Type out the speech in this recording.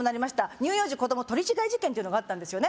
乳幼児子供取り違え事件というのがあったんですよね